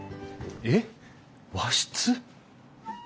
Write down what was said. えっ和室？